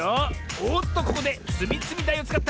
おっとここでつみつみだいをつかった！